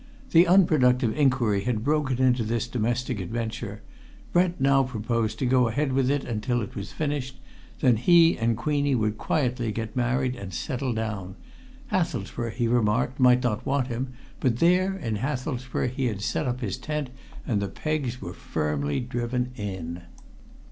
The unproductive inquiry had broken into this domestic adventure; Brent now proposed to go ahead with it until it was finished; then he and Queenie would quietly get married and settle down. Hathelsborough, he remarked, might not want him, but there in Hathelsborough he had set up his tent, and the pegs were firmly driven in.